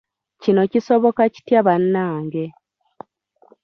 Kino kisoboka kitya bannange?